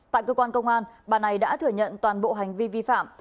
tại cơ quan công an bà này đã thừa nhận toàn bộ hành vi vi phạm